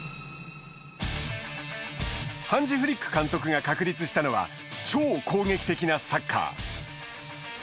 ハンジ・フリック監督が確立したのは超攻撃的なサッカー。